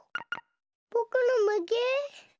ぼくのまけ？